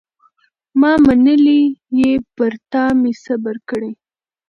ما منلی یې پر تا مي صبر کړی